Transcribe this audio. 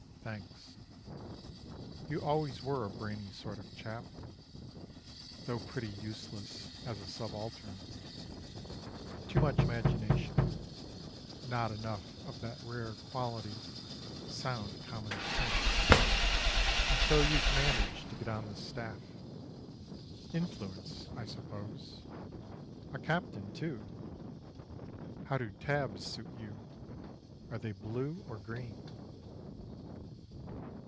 Thanks. You always were a brainy sort of chap: Though pretty useless as a subaltern Too much imagination, not enough Of that rare quality, sound commonsense And so you've managed to get on the Staff: Influence, I suppose: a Captain, too! How do tabs suit you? Are they blue or green?